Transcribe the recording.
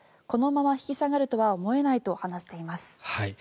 このまま引き下がるとは思えないと話しています。